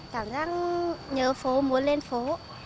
cảm giác nhớ phố muốn lên phố